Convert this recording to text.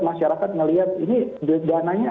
masyarakat melihat ini dana nya